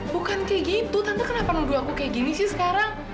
bukan kayak gitu tante kenapa nuduh aku kayak gini sih sekarang